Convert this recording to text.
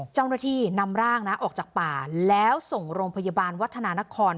เจ้าหน้าที่นำร่างนะออกจากป่าแล้วส่งโรงพยาบาลวัฒนานคร